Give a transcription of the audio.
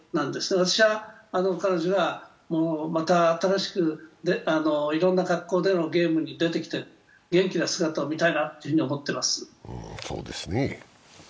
私は彼女はまた新しくいろんな格好でのゲームに出てきて元気な姿を見たいなと思っています。